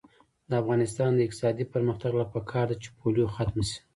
د افغانستان د اقتصادي پرمختګ لپاره پکار ده چې پولیو ختمه شي.